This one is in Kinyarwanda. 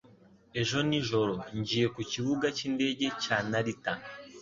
Ejo nijoro, ngiye ku kibuga cyindege cya Narita.